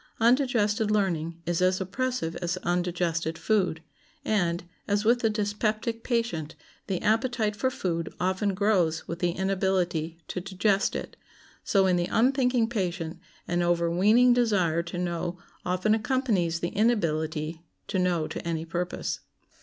Undigested learning is as oppressive as undigested food; and, as with the dyspeptic patient, the appetite for food often grows with the inability to digest it, so in the unthinking patient an overweening desire to know often accompanies the inability to know to any purpose.